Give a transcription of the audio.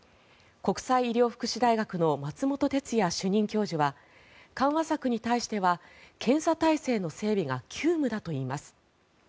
国際医療福祉大学の松本哲哉主任教授は緩和策に対しては検査体制の整備が急務だといいます。